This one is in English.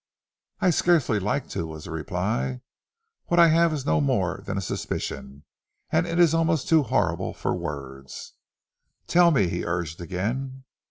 "I scarcely like to," was the reply. "What I have is no more than a suspicion, and it is almost too horrible for words." "Tell me," he urged again.